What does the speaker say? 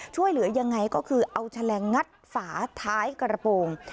ช่วยเหลือยังไงก็คือเอาแฉลงงัดฝาท้ายกระโปรง